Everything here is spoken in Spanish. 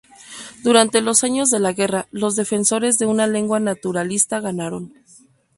Durante los años de la guerra, los defensores de una lengua naturalista ganaron.